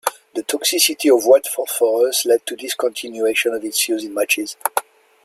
The toxicity of white phosphorus led to discontinuation of its use in matches.